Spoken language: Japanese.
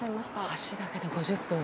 橋だけで５０分。